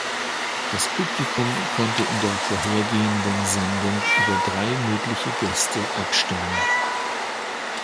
Das Publikum konnte in der vorhergehenden Sendung über drei mögliche Gäste abstimmen.